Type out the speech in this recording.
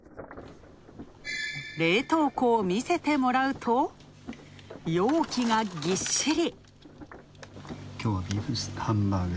冷凍庫を見せてもらうと、容器がぎっしり。